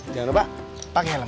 jangan lupa pakai helm ya